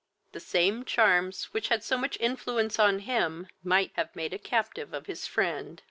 The same charms which had so much influence on him might have made a captive of his friend.